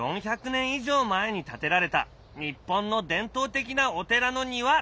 以上前に建てられた日本の伝統的なお寺の庭。